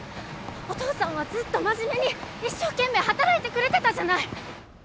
お父さんはずーっと真面目に一生懸命働いてくれてたじゃない